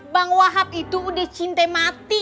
bang wahab itu udah cinta mati